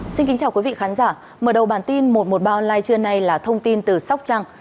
xin kính chào quý vị khán giả mở đầu bản tin một trăm một mươi ba online trưa nay là thông tin từ sóc trăng